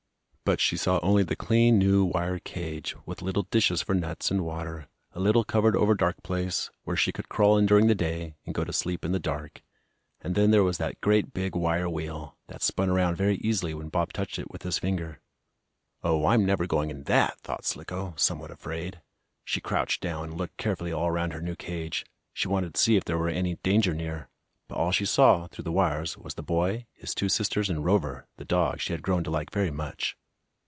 But she saw only the clean, new, wire cage, with little dishes for nuts and water, a little covered over dark place, where she could crawl in during the day, and go to sleep in the dark; and then there was that great big wire wheel, that spun around very easily when Bob touched it with his finger. "Oh, I'm never going in that!" thought Slicko, somewhat afraid. She crouched down, and looked carefully all around her new cage. She wanted to see if there were any danger near. But all she saw, through the wires, was the boy, his two sisters and Rover, the dog she had grown to like very much.